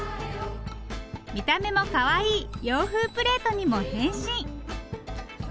見た目もかわいい洋風プレートにも変身。